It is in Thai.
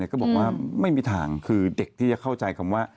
ก็บอกว่าไม่มีทางคือเด็กที่จะเข้าใจคำว่า